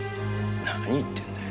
何言ってんだよ。